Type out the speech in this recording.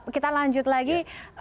kita lanjut lagi